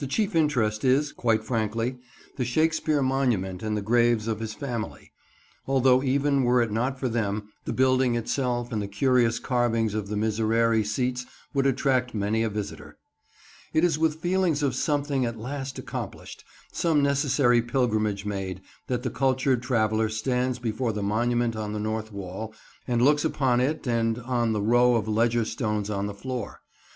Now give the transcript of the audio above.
The chief interest is, quite frankly, the Shakespeare monument and the graves of his family; although even were it not for them, the building itself and the curious carvings of the miserere seats would attract many a visitor. It is with feelings of something at last accomplished, some necessary pilgrimage made, that the cultured traveller stands before the monument on the north wall and looks upon it and on the row of ledger stones on the floor.